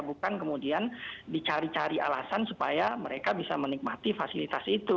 bukan kemudian dicari cari alasan supaya mereka bisa menikmati fasilitas itu